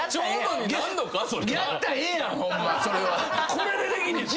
これでできんねん。